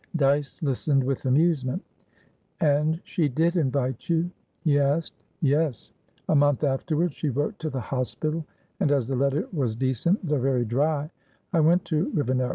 Dyce listened with amusement. "And she did invite you?" he asked. "Yes. A month afterwards, she wrote to the hospital, and, as the letter was decent, though very dry, I went to Rivenoak.